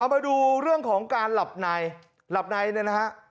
มาดูเรื่องของการหลับในหลับในเนี่ยนะฮะ